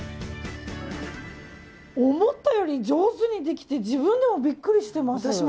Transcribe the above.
思ったより上手にできて自分でもビックリしてます。